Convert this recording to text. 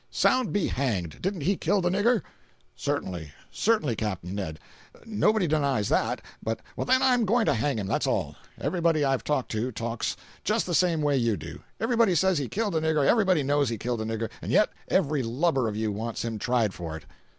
"Sound be hanged! Didn't he kill the nigger?" "Certainly, certainly, Capt. Ned,—nobody denies that,—but—" "Then I'm going to hang him, that's all. Everybody I've talked to talks just the same way you do. Everybody says he killed the nigger, everybody knows he killed the nigger, and yet every lubber of you wants him tried for it.